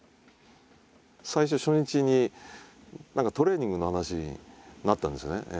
最初初日に何かトレーニングの話になったんですよね。